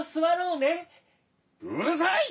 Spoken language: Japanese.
うるさい！